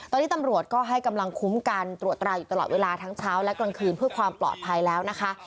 ตอนนี้ตำรวจก็ให้กำลังคุ้มกันตรวจตราอยู่ตลอดเวลาทั้งเช้าและกลางคืนเพื่อความปลอดภัยแล้วนะคะ